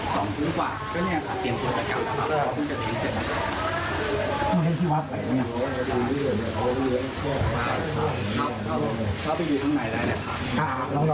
สองนึงกว่าก้าวในเชิงวัดไปอย่างนี้